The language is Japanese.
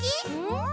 ん？